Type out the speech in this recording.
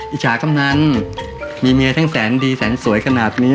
อิจฉากำนันมีเมียทั้งแสนดีแสนสวยขนาดนี้